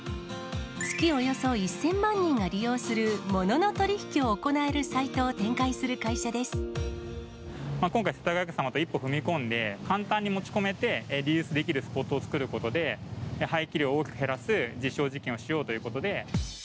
月およそ１０００万人が利用する、ものの取り引きを行えるサイトを今回、世田谷区様と一歩踏み込んで、簡単に持ち込めて、リユースできるスポットを作ることで、廃棄量を大きく減らす実証実験をしようということで。